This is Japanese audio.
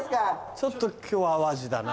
ちょっと今日淡路だな。